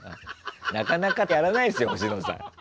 なかなかやらないですよ星野さん。